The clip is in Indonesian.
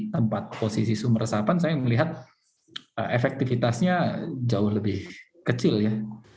tempat posisi sumur resapan saya melihat efektivitasnya jauh lebih kecil ya